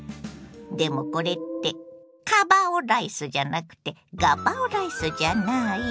でもこれってカバ男ライスじゃなくてガパオライスじゃない？